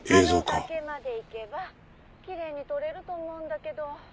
「あの崖まで行けばきれいに撮れると思うんだけど」